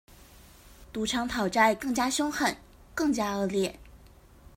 賭場討債更加兇狠、更加惡劣